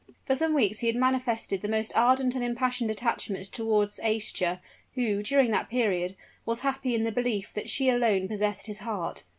For some weeks he had manifested the most ardent and impassioned attachment toward Aischa, who, during that period, was happy in the belief that she alone possessed his heart.